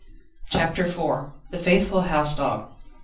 CHAPTER IV The faithful house dog.